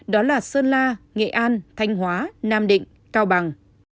đó là sơn la nghệ an thanh hóa nam định cao bằng